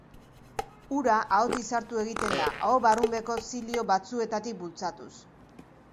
Ura ahotik sartu egiten da aho-barrunbeko zilio batzuetatik bultzatuz.